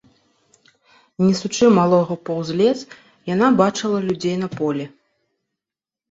Несучы малога паўз лес, яна бачыла людзей на полі.